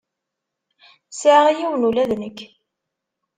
Sɛiɣ yiwen ula d nekk.